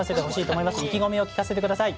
意気込みを聞かせてください。